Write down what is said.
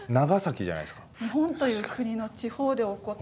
日本という国の地方で起こった。